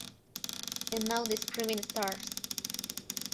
And Now the Screaming Starts!